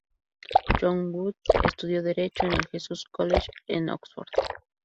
John Wood estudió Derecho en el Jesus College en Oxford.